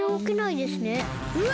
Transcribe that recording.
うわ！